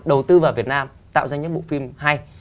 đầu tư vào việt nam tạo ra những bộ phim hay